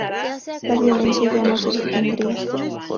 La violencia ya no se detendría.